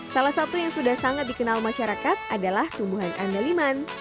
salah satu yang sudah sangat dikenal masyarakat adalah tumbuhan andaliman